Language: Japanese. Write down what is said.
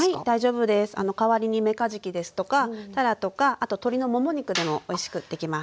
代わりにメカジキですとかタラとかあと鶏のもも肉でもおいしくできます。